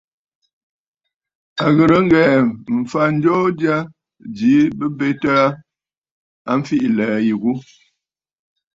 À ghɨ̀rə ŋghɛ̀ɛ̀ m̀fa ǹjoo jya jìi bɨ betə aa, a mfiʼi ɨlɛ̀ɛ̂ waa.